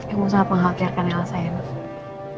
emang sangat mengakhirkan yang elsa ya nus